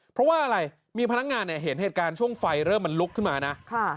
เพราะว่าอะไรมีพนักงานเนี่ยเห็นเหตุการณ์ช่วงไฟเริ่มมันลุกขึ้นมานะ